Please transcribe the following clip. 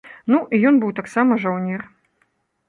Ну, і ён быў таксама жаўнер.